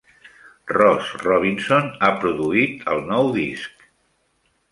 Ross Robinson ha produït el nou disc.